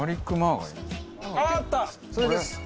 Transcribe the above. それです。